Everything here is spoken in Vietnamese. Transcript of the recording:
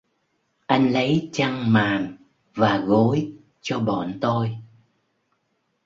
Anh lấy chăn màn và gối cho bọn tôi